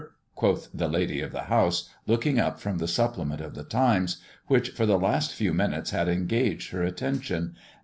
quoth the lady of the house, looking up from the supplement of the Times, which for the last few minutes had engaged her attention.